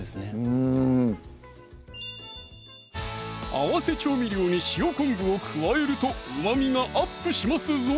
うん合わせ調味料に塩昆布を加えるとうま味がアップしますぞ